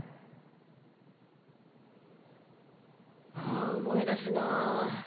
あ思い出すなぁ。